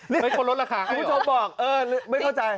พี่คุณผู้ชมบอกไม่เข้าใจ